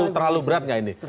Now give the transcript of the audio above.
terlalu berat nggak ini